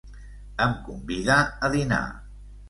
Em convida a dinar.